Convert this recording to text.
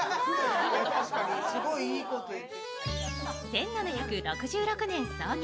１７６６年創業